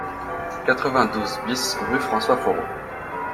quatre-vingt-douze BIS rue François Foreau